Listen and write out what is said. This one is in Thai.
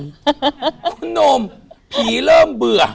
คุณหนุ่มผีเริ่มเบื่อ